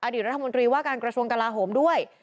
รัฐมนตรีว่าการกระทรวงกลาโหมด้วย